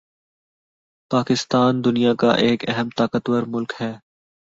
پاکستان دنیا کا ایک اہم طاقتور ملک ہے